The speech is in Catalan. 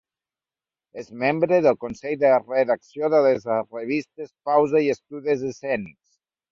És membre del Consell de Redacció de les revistes Pausa i Estudis Escènics.